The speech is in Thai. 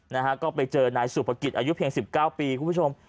นะฮะก็ไปเจอนายสุภกิจอายุเพียงสิบเก้าปีคุณผู้ชม